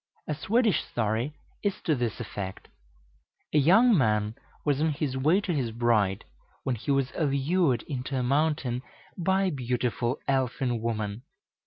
A Swedish story is to this effect. A young man was on his way to his bride, when he was allured into a mountain by a beautiful elfin woman.